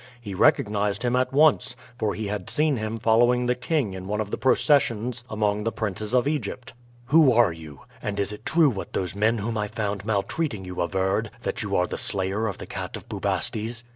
He recognized him at once, for he had seen him following the king in one of the processions among the princes of Egypt. "Who are you? and is it true what those men whom I found maltreating you averred, that you are the slayer of the Cat of Bubastes?"